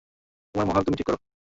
তোমার মহল, তুমি ঠিক করো।